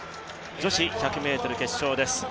女子１００ｍ決勝です。